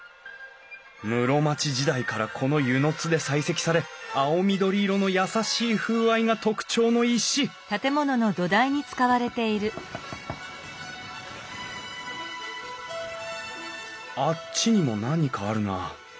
室町時代からこの温泉津で採石され青緑色の優しい風合いが特徴の石あっちにも何かあるな。